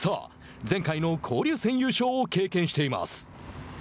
前回の交流戦優勝を経験しています。